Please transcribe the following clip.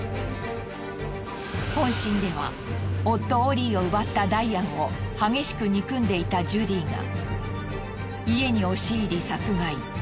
本心では夫オリーを奪ったダイアンを激しく憎んでいたジュディが家に押し入り殺害。